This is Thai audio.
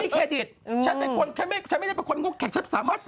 นักคุณบอกนรึคุณไปกินกันนะในรถ